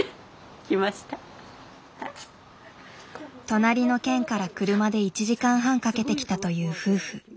隣の県から車で１時間半かけて来たという夫婦。